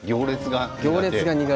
行列が。